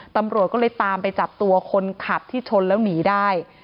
ตำรวจก็เลยตามไปจับตัวคนขับที่ชนแล้วหนีได้